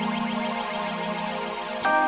kemudian juga di segitigbu highlymember com